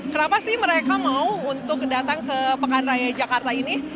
kenapa sih mereka mau untuk datang ke pekan raya jakarta ini